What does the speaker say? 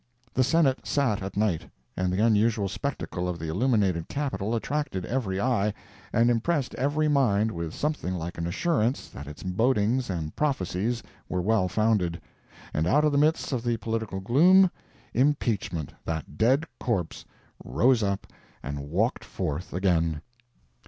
The Senate sat at night, and the unusual spectacle of the illuminated Capitol attracted every eye, and impressed every mind with something like an assurance that its bodings and prophecies were well founded. And out of the midst of the political gloom, impeachment, that dead corpse, rose up and walked forth again!